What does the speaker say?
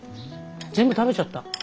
全部食べちゃった。